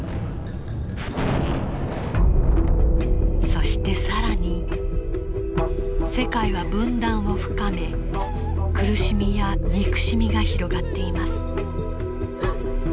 そして更に世界は分断を深め苦しみや憎しみが広がっています。